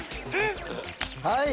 はい！